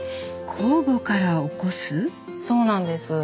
そうなんです。